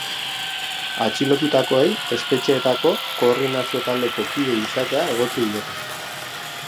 Atxilotutakoei espetxeetako koordinazio taldeko kide izatea egotzi diete.